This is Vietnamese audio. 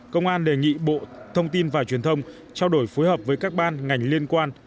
công an đề nghị bộ thông tin và truyền thông trao đổi phối hợp với các ban ngành liên quan